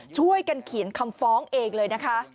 ช่วยกันเขียนคำฟ้องเองเลยนะคะ